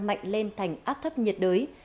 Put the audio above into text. mạnh lên thành áp thấp nhiệt đới